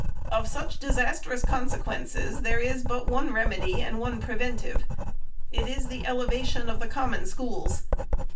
Of such disastrous con FIRST ANNUAL REPORT. 419 sequences, there is but one remedy and one preventive. It is the elevation of the Common Schools.